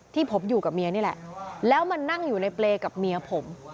ที่ผมอยู่กับเมียนี่แหละแล้วมานั่งอยู่ในเปรย์กับเมียผม